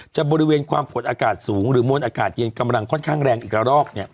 บริเวณความกดอากาศสูงหรือมวลอากาศเย็นกำลังค่อนข้างแรงอีกละรอกเนี่ย